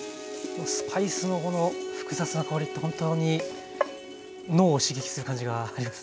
スパイスのこの複雑な香りって本当に脳を刺激する感じがありますね。